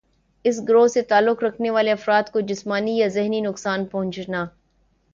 اس گروہ سے تعلق رکھنے والے افراد کو جسمانی یا ذہنی نقصان پہنچانا